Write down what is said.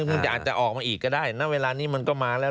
มันจะอาจจะออกมาอีกก็ได้ณเวลานี้มันก็มาแล้ว